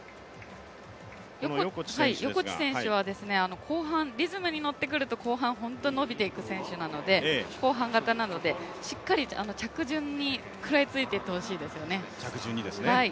横地選手はリズムに乗ってくると、後半、本当に伸びていく選手なので後半型なので、しっかり着順に食らいついてってほしいですよね。